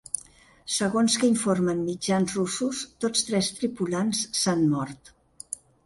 Segons que informen mitjans russos, tots tres tripulants s’han mort.